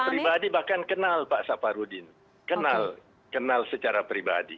pribadi bahkan kenal pak saparudin kenal secara pribadi